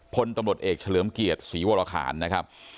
พลตำรวจเอกเฉลิมเกียรติศรีวรคารนะครับ